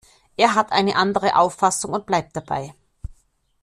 Er hat eine andere Auffassung und bleibt dabei.